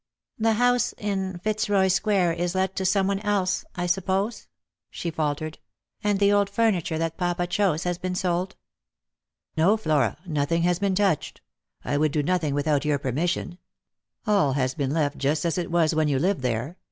" The house in Pitzroy square is let to some one else, I suppose," she faltered, " and the old furniture that papa chose has been sold ?"" No, Flora, nothing has been touched. I would do nothing without your permission. All has been leftijust as it was when you lived there.